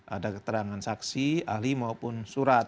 ada keterangan saksi ahli maupun surat